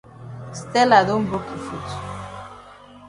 Stella don broke yi foot.